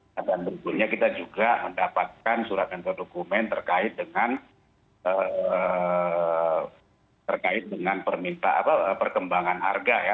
dan berikutnya kita juga mendapatkan surat dan dokumen terkait dengan perkembangan harga ya